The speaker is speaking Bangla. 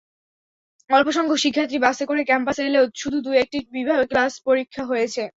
অল্পসংখ্যক শিক্ষার্থী বাসে করে ক্যাম্পাসে এলেও শুধু দু-একটি বিভাগে ক্লাস-পরীক্ষা হয়েছে।